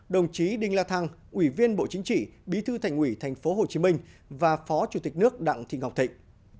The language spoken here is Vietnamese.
đồng chí đinh la thăng ủy viên bộ chính trị bí thư thành ủy tp hcm và phó chủ tịch nước đặng thị ngọc thịnh